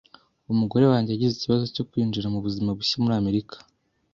Umugore wanjye yagize ikibazo cyo kwinjira mubuzima bushya muri Amerika.